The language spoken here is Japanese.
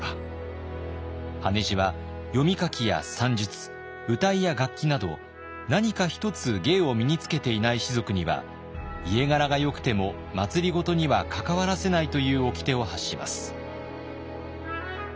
羽地は読み書きや算術謡や楽器など何か一つ芸を身につけていない士族には家柄がよくても政には関わらせないというおきてを発します。